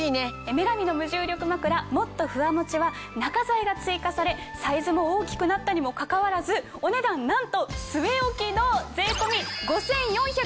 ・女神の無重力まくらＭｏｔｔｏＦｕｗａＭｏｃｈｉは中材が追加されサイズも大きくなったにもかかわらずお値段なんと据え置きの・わ！